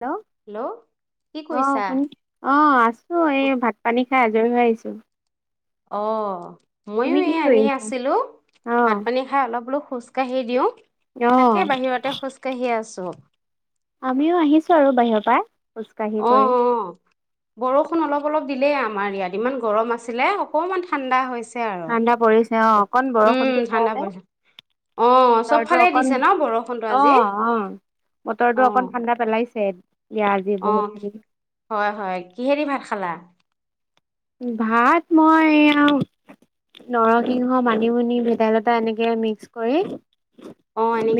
Hello অ -শুনি -অ আছো এই ভাত পানী হে আজৰি হৈ আহিছোঁ। অহ। ময়ো এই এনি আছিলো ভাত পানী খাই অলপ ব খোজকাঢ়ি দিওঁ তাকে বাহিৰতে খোজ কাহি আছো। [inaudible] আমিও আহিছোঁ আৰু বাহিৰৰ পৰা। অ অ বৰষুণ অলপ অলপ দিলেই আমাৰ ইয়াত। ইমান গৰম আছিলে অকমান ঠাণ্ডা হৈছে। ঠাণ্ডা পৰিছে অ। অকন বৰষুণতো হোৱাতে বতৰটো অকন, অ অ বতৰটো অকন ঠাণ্ডা পেলাইছে। অ, হয় হয় কিহে দি ভাত খালা ভাত, মই আৰু নৰসিংহ, মানিমুনি, ভেদাইলতা এনেকে মিক্স কৰি।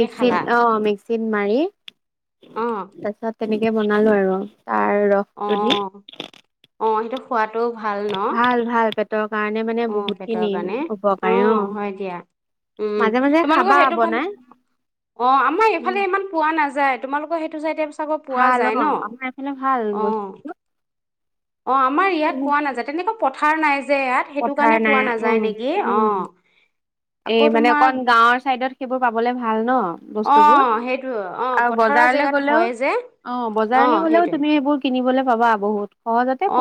মিকছিত‌ অ মিকছীত ছিতমাৰি তাৰ পিছত তেনেকে বনালো আৰু অ অ অ সেই- সোৱাত ভাল ন অ পেটৰ কাৰণে অ হয় দিয়া, উম তোমালোকৰ সেইটোফালে, অ আমাৰ এইফালে ইমান পোৱা নাযায়। তোমালোকৰ সেইটো চাইডে ভাল অ আমাৰ পিনে ভাল বস্তু অ আমাৰ ইয়াত পোৱা নাযায় তেনেকা। পথাৰ নাই। যে ইয়াত সেইটো কাৰণে পোৱা নাযায় নেকি অ, এ মানে অকণ গাঁৱৰ চাইড- ত সেইবোৰ পাবলে ভাল ন? বস্তু বোৰ আৰু বজাৰলৈ গ'লেও, অ বজাৰলৈ গ'লেও তুমি এইবোৰ কিনিবলৈ বাবা বহুত- অ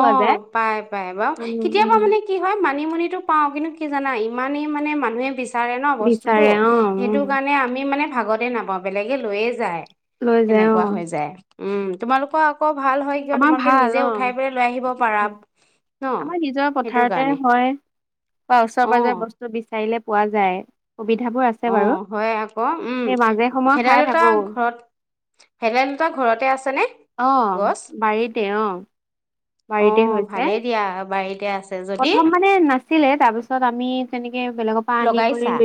পাই পাই, বাৰু কেতিয়াবা মানে কি হয় মান- মানিমুনিটো পাওঁ কিন্তু কি জানা ইমানে মানে মানুহে বিচাৰে- বিচাৰে ন বস্তুতটো সেইটো কাৰণে আমি মানে- ভাগতে নাপাওঁ বেলেগে লৈয়ে যায়। তেনেকুৱা হৈ যায়। উম তোমালোকক- ক ভাল হয় কিয় তোমালোকে নিজে- আমাৰ নিজৰ পথাৰতে হয় বা ওচৰে পাজৰে বস্তু বিচাৰিলে- পোৱা যায়। অ' হয় আকৌ, উম ভেদাইলতা ঘৰত ভেদাই লতা ঘৰতে আছে। অ বাৰীতে অ বাৰীতে হৈছে। প্ৰথম মানে নাছিলে তাৰপিছত আমি তেনে লগাইছা,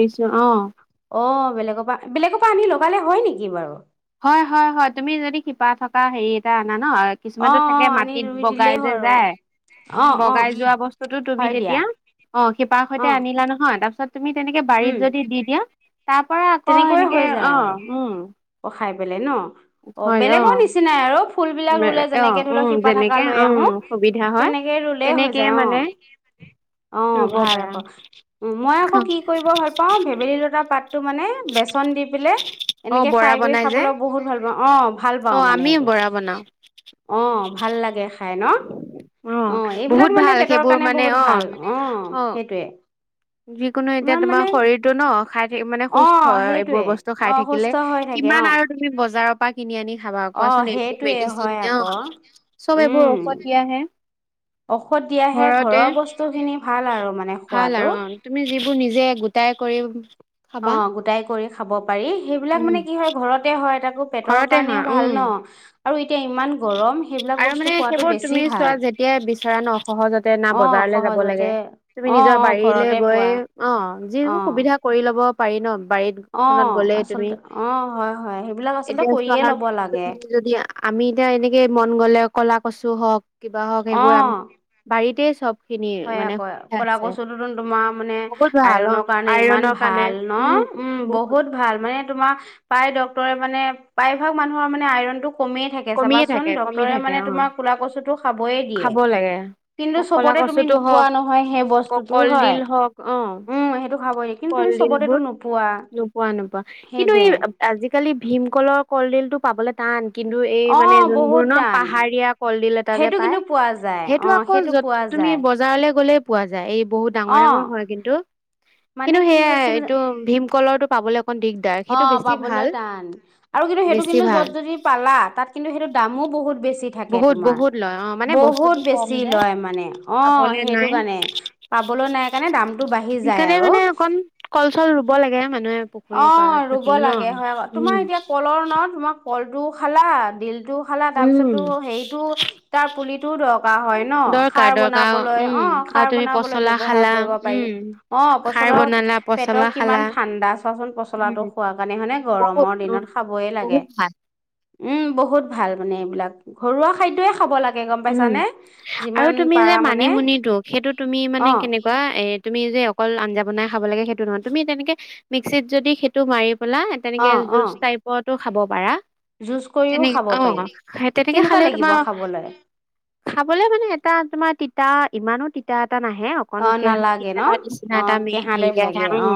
অ' বেলেগৰ পৰা বেলেগৰ পৰা আনি ল ফালে হয় নেকি বাৰু? হয় হয় হয়, তুমি যদি শিপা থকা হেৰি এটা অনা য় কিছুমানটো থাকে, মাটিত বগাই যে যায়? বগাই যোৱা বস্তুটো তুমি তেতিয়া অ' শিপাৰ সৈতে আনিলা নহয়, তাৰপিছত তুমি তেনেকে বাৰীত যদি দি দিয়া তাৰ পৰা আকৌ, এনেকে অ' উম খাই পেলাই ন, অ' বেলেগৰ নিচিনাই আৰু। ফুলবিলাক ৰুলে যেনেকৈ ধৰি লওক শিপা থকা লৈ আহো, তেনেকেই ৰুলে হৈ যায়। অ' অ' ভাল আকৌ, মই আকৌ কি কৰিব ভাল পাওঁ ভেবেলী লতা পাত তোৰ মানে বেচন দি পেলাই এনেকে ফ্ৰাই কৰি খাবলৈ বহুত ভাল পাওঁ অ' ভাল পাওঁ মানে এইটো, অ ভাল লাগে খাই ন, অ' এইবিলাক মানে পেটৰ কাৰণে বহুত ভাল অ' সেইটয়ে। যিকোনো এতিয়া তোমাৰ শৰীৰতো ন খাই মানে সুস্থ। এইবোৰ বস্তু খাই থাকিলে, কিমান আৰু তুমি বজাৰৰ পৰা কিনি আনি খা খাবা, কোৱাচোন এইবোৰ মেডিচিন ন চব এইবোৰ ঔষধ দিয়াহে। ঔষধ দিয়াহে, ঘৰৰ বস্তুখিনি ভাল আৰু মানে খোৱাতটো। যিবোৰ নিজে গোটাই কৰি অ গোটাই কৰি খাব পাৰি, সেইবিলাক মানে কি হয় ঘৰতে হয়। তাত আকৌ পেটৰ কাৰণেও ভাল ন? আৰু মানে সেইবোৰ তুমি চোৱা, যেতিয়াই বিচৰা ন অসহজতে না বজাৰলৈ যাব লাগে, তুমি নিজৰ বাৰীলৈ গৈ, অ' যিবোৰ সুবিধা কৰি লব পাৰি ন, অ' আচলতে অ' হয় হয়। সেইবিলাক আচলতে কৰিয়ে ল'ব লাগে। আমি এতিয়া এনেকে মন গ'লে কলা কচু হওক, কিবা হওক সেইবোৰ আমি বাৰীতে চব হয় আকৌ ক'লা কচুটোো তোমাৰ মানে আইৰনৰ কাৰণে ইমান ভাল ন উম বহুত ভাল। মানে তোমাৰ প্ৰায় ড্ক্তৰে মানে প্ৰায়ভাগ মানুহৰ মানে আইৰণটোক কমে থাকে চাব সোণ ডক্টৰএই মানে তোমাক কলা কচু তেওঁ খাবএই দিয়ে, কিন্তু স্বতাই নোপোৱা নহয় সাই বস্তুটো হয়, উম। কলডিলবোৰ নোপোৱাই নোপোৱা, কিন্তু আজি কালি ভীমকলৰ কল্ডিলটো পাবলে টেন। কিন্তু এই মানে যুনবোৰ ন পাহাৰীয়া কলডিল এটা যে পায়, হাঁহটো আকৌ জত তুমি বজাৰলৈ গ'লে পোৱা যায় এই বহুত ডাঙৰ ডাঙৰ হয় কিন্তু। কিন্তু হইয়া এইটো ভীমকলৰটো পাবলৈ টান। অ', পাবলৈ টান আৰু কিন্তু হাঁহটো কিন্তু জত যদি পালা তাত কিন্তু হাঁহটো দামাও বহুত। বহুত-বহুত লয় অ', মানে বস্তুটো কম যে পাবলে নাই সেইকাৰণে মানে অকন কল চল ৰুব লাগে মানুহে খুব। অ', ৰুব লাগে হয় বাৰু তোমাৰ এতিয়া কলৰ ন তোমাক। ফলটু খালা দিল। দিলে খালা তাৰ তাৰপাছতো হেৰিটোৱাও তাৰ পুলিটোও দৰকাৰ হয় ন, খাৰ বনাবলৈ অ', খাৰ বনাবলৈ ব্যৱহাৰ কৰিব পাৰি, অ', পচলাত পেটৰ কিমান ঠাণ্ডা। কল পচলাটো খোৱা কাৰণে হৈনে গৰমৰ দিনত খাবই লাগে। উম, বহুত ভাল মানে এইবিলাক ঘৰুৱা খাইটদোএই খাব লাগে। উম, আৰু তুমি যে মনিমুনিটো সেইটো তুমি মানে কেনেকুৱা এ তুমি যে। অকল আঞ্জা বনাই খাব লাগে হাঁহটো নহয় তুমি তেনেকৈ মিশিত যদি হাঁহটো মাৰি। খোলা তেনেকে জিউচে টাইপতটো। খাব পাৰা। জিউচে কৰিও খাব পাৰি, কেনেকুৱা লাগিব খাবলে? খাবলে মানে এটা তোমাৰ তিতা, ইমানাও তিতা। তা নাহে অকন কে মেডিচিনৰ নিচিনা এটা হেৰী আহে, উম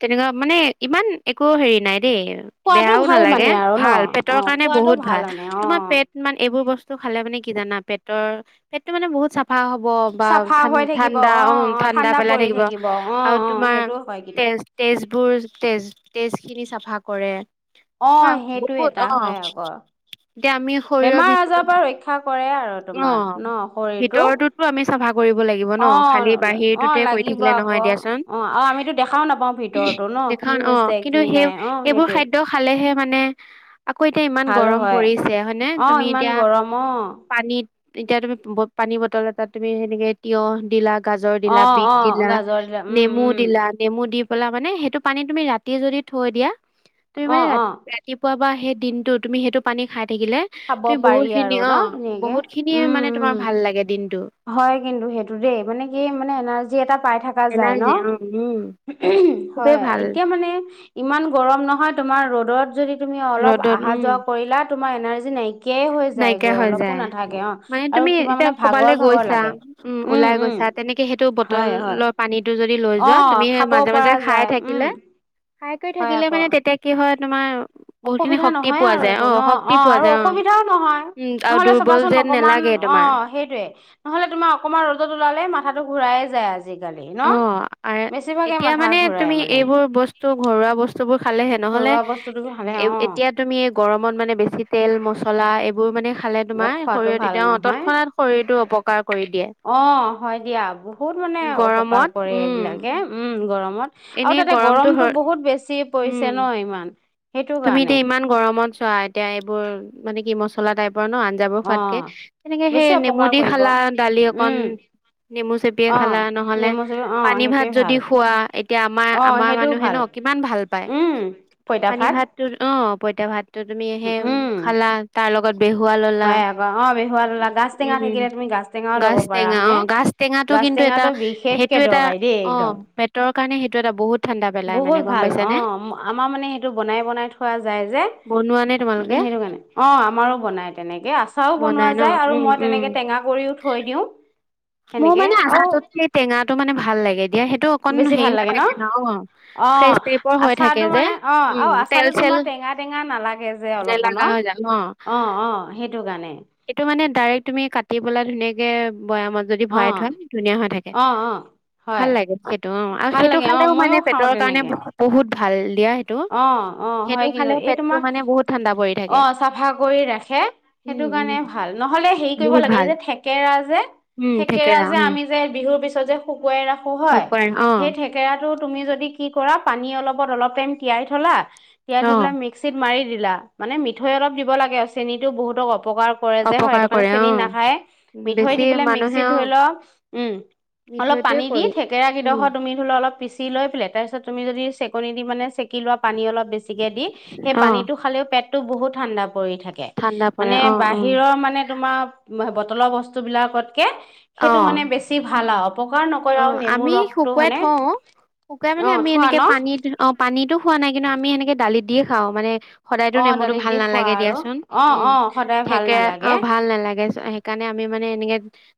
তেনেকুৱা মানে ইমান। একো হেৰি নাই। দেই বেয়াও নালাগে ভাল পেটৰ কাৰণে বহুত ভাল, তোমাৰ পেট মানে, এইবোৰ বস্তু খালে মানে। কি জানা পেটৰ, পেটটো মানে বহুত চফ চফা হ'ব বা ঠান ঠান ঠাণ্ডা অ', ঠাণ্ডা পেলাই থাকিব আৰু তোমাৰ তেজ তেজ বোৰ তেজ। তেজ খিনি চাফা কৰে। অ', সেইটো এটা হয় আকৌ বেমাৰ এজাৰ পৰা ৰক্ষা। কৰে আৰু তোমাৰ ন শৰীৰটো। কৰিব লাগিব ন খালি বাহিৰটোতে কৰি থাকিলে নহয় দিয়াচোন, এইখন অ', কিন্তু সেই সেইবোৰ খাদ্য খালেহে মানে। আকৌ এতিয়া ইমান গৰম পৰিছে হয়নে তুমি এতিয়া এতিয়া তুমি পানী বটল এটাাত তুমি সেনেকে তিয়হ দিলা। গাজৰ দিলা বিট দিলা নেমু দিলা নেমু দি থলা মানে সেইটো পানী মানে তুমি ৰাতি যদি থৈ দিয়া তুমি মানে ৰা-ৰাতিপুৱা সেই দিনত তুমি সেইটো পানী খাই থাকিলে তুমি বহুত খিনি অ' উ উ হয় কিন্তু সেইটো দেই মান কি মান এনাৰ্জি পাই থ হয় এতিয়া মান ইমান গৰম নহয় তোমাৰ ৰ ৰদত যদি তুমি অলপ অহা যোৱা কৰিলা তোমাৰ এনাৰ্জি- নাই নাইকিয়া হৈ যায় মানে তুমি এতিয়া কবালৈ গৈছা উম ওলাই গৈছা তেনেকে সেইটো বটলৰ পানীতটো যদি লৈ যোৱা তুমি মাজে মাজে খাই থাকিলে- খাই কৰি থাকিলে মানে তেতিয়া কি হয় তোমাৰ অসুবিধা নহয় আৰু একো ন অ', আৰু অসুবিধা নহলে চবাচোন অকমান অ', সেইটোয়ে নহলে তোমাৰ অকমান ৰ'দত ওলালে মাথাটো ঘুৰায়ে যায়। অ', আৰু এতিয়া মানে তুমি এইবোৰ বস্তু ঘৰুৱা বস্তু- বোৰ খালেহে নহলে এ-এতিয়া তুমি গৰমত মানে বেছি তেল মছলা এ গৈ মানে খালে তোমাৰ শৰীৰত এতিয়া তৎক্ষণাত শৰীৰটো অপকাৰ কৰি দিয়ে। অপকাৰ কৰে এইবিলাকে উম গৰমত। আৰু তাতে গৰমতটো বহুত বেছি পৰিছে ন ইমান সেইটো কাৰণে। ত চোৱা এতিয়া এইবোৰ মানে কি মছলা টাইপ ৰ ন আঞ্জাবৰ খোৱাদকে তেনেকে সেই নেমু দি খালা, দালি অকণ নেমু চেপিয়ে খালা, নহলে পানী ভাত যদি খোৱা আমাৰ-আমাৰ মানুেহে ন কিমান ভাল পায় পানী ভাতটো। অ', পঁইতা ভাত টো তুমি সে খালা তাৰ লগত হয় আক বিহুবা দুলাগাজ টেঙা থাকিলে তুমি গাাজ টেঙাও লব পাৰা, হানে গাাজ টেঙাটো বিশেষকে দৰকাৰী দেই একদম। কাৰণে সেইটো এটা বহুত। বহুত ভাল অ, আমাৰ মানে সেইটো বনাই বনাই থোৱা যায় যে। মানে সেইটো কাৰণে অ, আমাৰো বনাই তেনেকে আচাৰও বনোৱা যায় আৰু মই তেনেকে টেঙা কৰিও থৈ দিওঁ। মোৰ মানে আচাৰটোতকেই টেঙাটো মানে ভাল লাগে দিয়া সেইটো অকন হেৰি হৈ থাকে ন। অ', আচাৰটো মানে অ', আৰু আচাৰটো তোমাৰ টেঙা-টেঙা নালাগে যে অলপো ন। অ', অ, সেইটো কাৰণে। কে বয়ামত। যদি ভৰাই থোৱাম ধুনীয়া হৈ থাকে। ভাল লাগে সেইটো অ', আৰু সেইটো খালেও মানে পেটৰ কাৰণে বহুত। ভাল। অ, অ, হয় কিন্তু এই তোমাক, অ', চফা কৰি ৰাখে সেইটো কাৰণে ভাল নহলে হেৰি কৰিব লাগে এই যে থেকেৰা যে। থেকেৰা যে আমি যে বিহুৰ পিছত যে শুকুৱাই ৰাখো হয়, সেই থেকেৰা। আৰু তুমি যদি কি কৰা পানী অলপত অলপ টাইম। তিয়াই থলা। ইয়াত সেইবেলাক মিক্সিত মাৰি। দিলা, মানে মিঠৈ অলপ দিব লাগে আৰু চেনীটো বহুতক অ অপকাৰ কৰে যে হয় সেইটো কাৰণে চেনি নাখায়ে, মিঠৈ দি পেলাই মিক্সিত ধৰি ল উম, অলপ পানী দি থেকেৰা কেইডোখৰ তুমি ধৰি ল অলপ পিচি লৈ পেলে তাৰপিছত তুমি যদি চেকনি দি মানে চেক কি লোৱা পানী অলপ বেছিকে দি, সেই পানীটো খালেও পেত তো বহুত ঠাণ্ডা পৰি থাকে। মানে বাহিৰৰ মানে তোমাৰ [unintelligible] তল বস্তুবিলাকতকে সেইটো মানে বেছি ভাল আও অপ অ, আমি শুকুৱাই থও, শুকুৱাই মানে আমি এনেকে পানীত অ, পানীতো হোৱা নাই কিন্তু আমি সেনেকে দালিত দিয়ে খাওঁ মানে সদায়তো নেমুটো ভাল নালাগে দিয়াচোন। উম, থেকেৰা অ, ভাল নেলাগে সেইকাৰণে আমি মানে এনেকে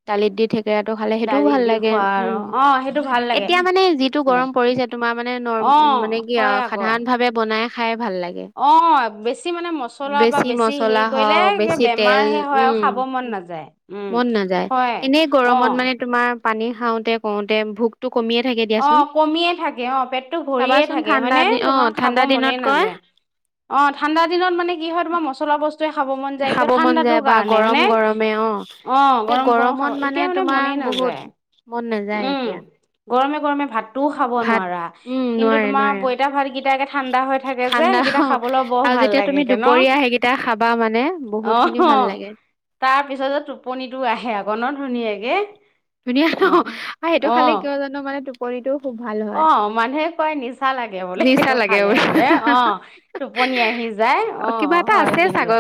দালিত দি থাক কেৰা টো খালে সেইটোও ভাল লাগে। উম, এতিয়া মানে যিটো গৰম পৰিছে তোমাৰ মানে নৰ-মানে কি আও সাধাৰণ ভাৱে বনাই ফাইভ অ, বেছি মানে মছলা বা বেছি হেৰি কৰিলে বেমাৰহে হয় আৰু খাব মন নাযায়। উম, হয় অ। পানী খাওঁ কওঁতে ভোকটোত অ, কমিয়ে থাকে অ, পেটটো ভৰিয়ে থাকে হয়নে তোমাৰ খাব মনে নাযায়। অ, ঠাণ্ডা দিনত মানে কি হয় তোমাৰ মচলা বস্তু খাব মন যায় বা গৰম গৰমে অ', তিয়া গৰমত মানে তোমাৰ বহুত মন নাযায় এতিয়া। গৰমে গৰমে ভাত টো খাব নোৱাৰা, কিন্তু তোমাৰ পইতা ভাতকিটা ঠাণ্ডা হৈ থাকে যে সেইকিটা খাবলৈ বৰ ভাল লাগে কে ন। অহহ তাৰ পিছত যে টোপনি টো আহে আক ন, ধুনীয়াকে। এহ ধুনীয়া ন, আৰু সেইটো খালে কিয় জানো মানে টো কৰিটো অ', মানুহে কয় নিচা লাগে বোলে সেইটো খালে বোলে অ', টোপনি আহি যায় অ', অ', হয় কিন্তু।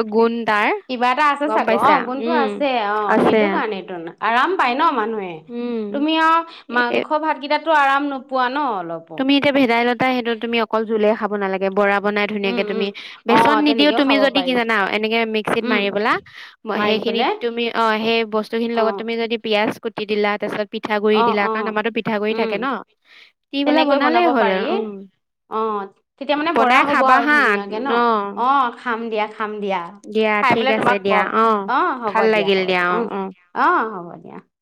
কিবা এটা আছে চাগ, অ', গুণটো আছে অ', সেইটো কাৰনেটো না আৰাম খায় ন মানুহে। তুমি আও মাংস-ভাত কিটাত টো আৰাম নো পোৱা ন? তুমি এতিয়া ভেদাই লতা সেইটো তুমি অকল ঝোলেই খাব বনালাগে বৰাব বনাই ধুনীয়াকে তুমি বেচন নিদিও তুমি যদি কি জানা, এনেকে মিক্সিত মাৰি গলা, ম সেইখিনিত তুমি অ, সেই বস্তুখিনি লগত তুমি যদি পিয়াঁজ কুট দিদিলা তাইছত পিঠাগুৰি দিলা কাৰণ আমাটো পিঠাগুৰি থাকে ন? তেনেকৈ বনাব পাৰি। অ', তেতিয়া মানে বড়া হ'ব আৰু ধুনীয়াকে ন? অ', খাম দিয়া খাম দিয়া, খাই পেলাই তোমাক কম। অ', হ'ব দিয়া। হ'ব দিয়া অ', অ'। অ', হ'ব দিয়া।